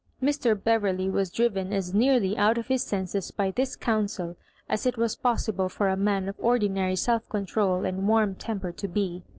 Mr. Beverley was driven as nearly out of his senses by this counsel, as it was possible for a man of ordinary self control and warm temper to be.